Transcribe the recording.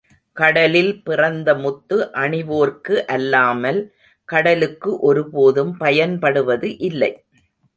கடலில் பிறந்த முத்து அணிவோர்க்கு அல்லாமல் கடலுக்கு ஒருபோதும் பயன்படுவது இல்லை.